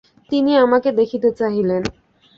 তিনি আমাকে দেখিতে চাহিলেন।